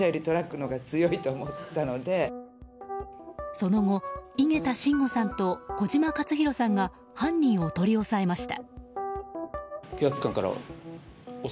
その後、井桁真吾さんと小島克弘さんが犯人を取り押さえました。